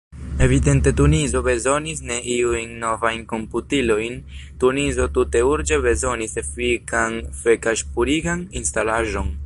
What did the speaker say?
Evidente Tunizo bezonis ne iujn novajn komputilojn, Tunizo tute urĝe bezonis efikan fekaĵpurigan instalaĵon.